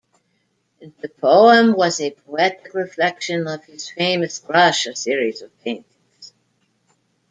The poem was a poetic reflection of his famous "Russia" series of paintings.